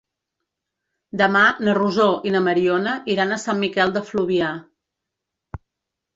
Demà na Rosó i na Mariona iran a Sant Miquel de Fluvià.